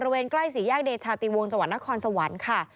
บรรเวณใกล้สี่ยากโดยชาติวงจวัณฑคสวรรค์ค่ะ